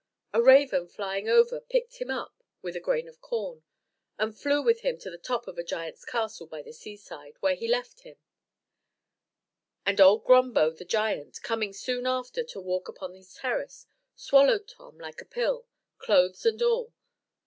A raven flying over picked him up with a grain of corn, and flew with him to the top of a giant's castle by the sea side, where he left him; and old Grumbo, the giant, coming soon after to walk upon his terrace, swallowed Tom like a pill, clothes and all.